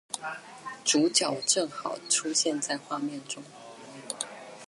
主角正好出現在畫面中